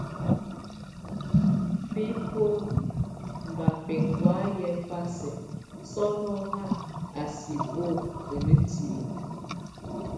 Bíbo mzba beŋgwáye bá sɛk sɔ́nɔ ha a sɛk bo a netile.